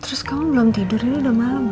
terus kamu belum tidur ini udah malam